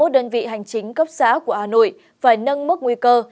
ba mươi một đơn vị hành chính cấp xã của hà nội phải nâng mức nguy cơ